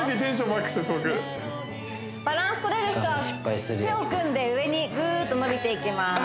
僕バランス取れる人は手を組んで上にグーッと伸びていきます